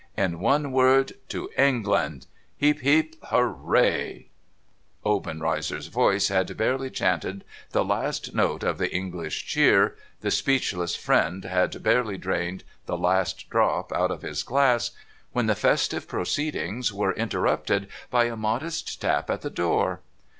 In one word — to England ! Heep heep heep ! hooray ! Si8 NO THOROUGHFARE Obenreizer's voice had barely chanted the last note of the English cheer, the speechless friend had barely drained the last drop out of his glass, when the festive proceedings were interrupted by a modest tap at the door.